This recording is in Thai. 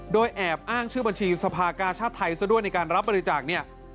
โดยแอบอ้างชื่อบัญชีสภากาชาติไทยซะด้วยในการรับบริจาคเนี่ย